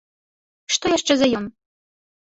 Што яшчэ за ён?